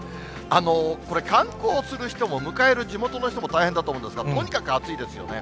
これ、観光する人も、迎える地元の人も大変だと思うんですが、とにかく暑いですよね。